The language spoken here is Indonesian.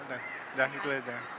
udah itu aja